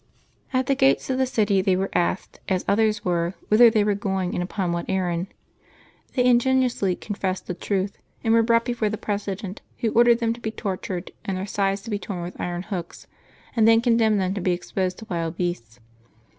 At the gates of the city they were asked, as others were, whither they were going, and upon what errand. They ingenuously confessed the truth, and were brought before the president, who ordered them to be tortured and their sides to be torn with iron hooks, and then condemned them to be exposed to wild beasts.